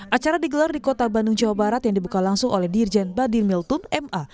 acara digelar di kota bandung jawa barat yang dibuka langsung oleh dirjen badimiltun ma